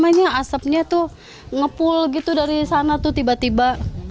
asapnya tuh ngepul gitu dari sana tuh tiba tiba